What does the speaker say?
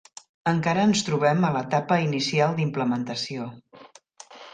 Encara ens trobem a l'etapa inicial d'implementació.